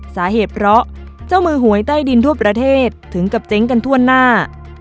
สาเหตุเพราะเจ้ามือหวยใต้ดินทั่วประเทศถึงกับเจ๊งกันทั่วหน้า